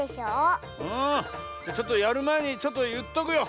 ああじゃちょっとやるまえにちょっといっとくよ。